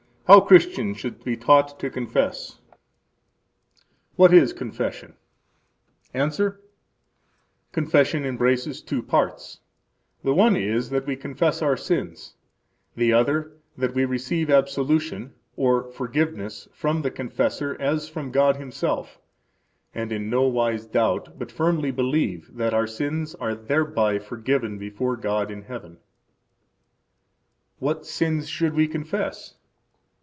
How Christians should be taught to Confess What is Confession?* –Answer: Confession embraces two parts: the one is, that we confess our sins; the other, that we receive absolution, or forgiveness, from the confessor, as from God Himself, and in no wise doubt, but firmly believe, that our sins are thereby forgiven before God in heaven. What sins should we confess?